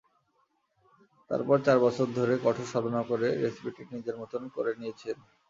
তারপর চার বছর ধরে কঠোর সাধনা করে রেসিপিটি নিজের মতো করে নিয়েছেন।